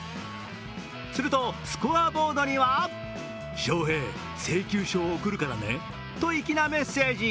するとスコアボードには翔平、請求書を送るからねと粋なメッセージ。